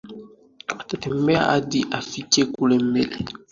Atatembea hadi afike kule mbele